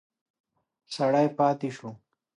سړی پاتې شو.